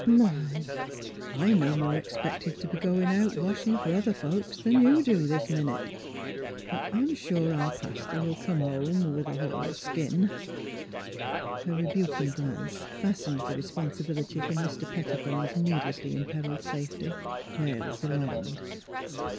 My! I no more 'xpected t' be goin' out washin' fer other folks 'an you do this minute! But I'm sure I hope our paster '11 come home mth a hull skin." Her rebuking glance fastened the responsibility for Mr. Pettibone's needlessly imperilled safety where it belonged.